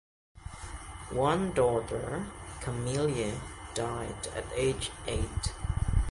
One daughter, Camille, died at age eight.